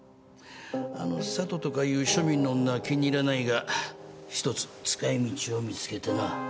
あの佐都とかいう庶民の女は気に入らないが一つ使い道を見つけてな。